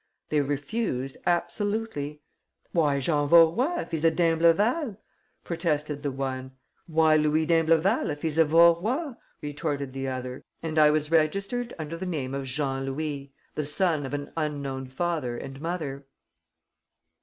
They refused absolutely. 'Why Jean Vaurois, if he's a d'Imbleval?' protested the one. 'Why Louis d'Imbleval, if he's a Vaurois?' retorted the other. And I was registered under the name of Jean Louis, the son of an unknown father and mother."